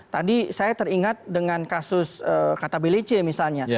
tadi saya teringat dengan kasus kata belice misalnya